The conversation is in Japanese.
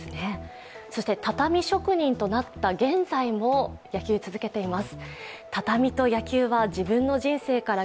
そして、畳職人となった現在も野球を続けています。